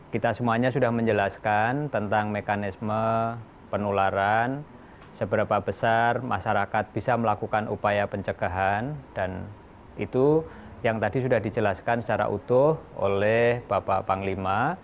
kita semuanya sudah menjelaskan tentang mekanisme penularan seberapa besar masyarakat bisa melakukan upaya pencegahan dan itu yang tadi sudah dijelaskan secara utuh oleh bapak panglima